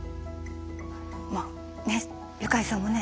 まあねっユカイさんもね